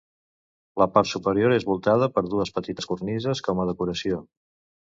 La part superior és voltada per dues petites cornises com a decoració.